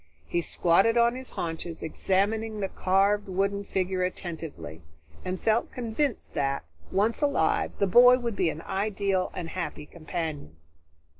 He squatted on his haunches, examining the carved wooden figure attentively, and felt convinced that, once alive, the boy would be an ideal and happy companion.